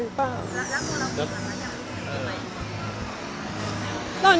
เอออย่างเช้าเองก็บอกว่ารักคนอื่น